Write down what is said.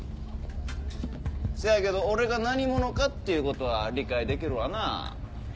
せやけど俺が何者かっていうことは理解できるわな？